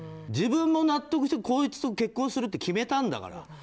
自分も納得してこいつと結婚するって決めたんだから。